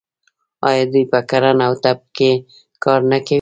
آیا دوی په کرنه او طب کې کار نه کوي؟